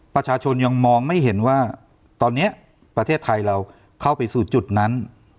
ประชาชนยังมองไม่เห็นว่าตอนนี้ประเทศไทยเราเข้าไปสู่จุดนั้น